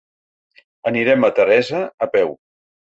Anirem a Teresa a peu.